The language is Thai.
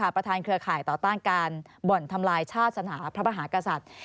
เครือข่ายต่อต้านการบ่อนทำลายชาติสนาพระมหากษัตริย์